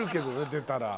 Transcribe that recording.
出たら。